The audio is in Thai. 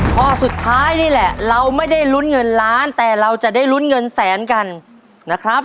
ข้อสุดท้ายนี่แหละเราไม่ได้ลุ้นเงินล้านแต่เราจะได้ลุ้นเงินแสนกันนะครับ